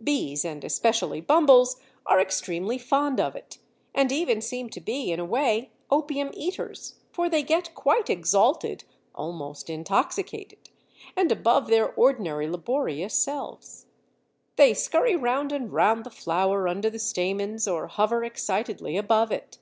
Bees, and especially bumbles, are extremely fond of it, and even seem to be, in a way, opium eaters, for they get quite exalted, almost intoxicated, and above their ordinary laborious selves. They scurry round and round the flower under the stamens or hover excitedly above it.